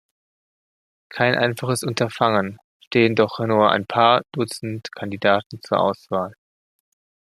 Kein einfaches Unterfangen, stehen doch nur ein paar Dutzend Kandidaten zur Auswahl.